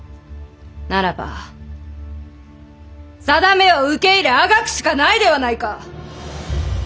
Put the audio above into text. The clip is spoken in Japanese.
ならばさだめを受け入れあがくしかないではないか。